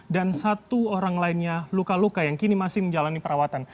dan satu orang lainnya luka luka yang kini masih menjalani perawatan